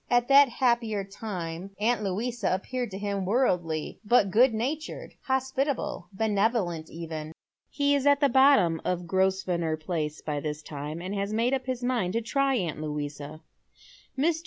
At that happier time auii,* Louisa appeared to him worldly, but good natured, hospitable, benevolent even. He is at the bottom of Grosvenor Place by this time, and ha» made up his mind to try aunt Louisa. Mr.